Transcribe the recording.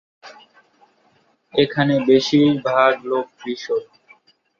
এখানে বেশি ভাগ লোক কৃষক।